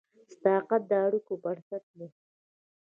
صداقت د اړیکو بنسټ دی.